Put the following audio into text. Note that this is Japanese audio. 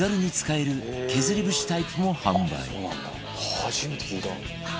「初めて聞いた」